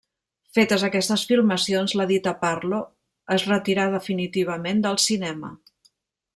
Fetes aquestes filmacions, la Dita Parlo es retirà definitivament del cinema.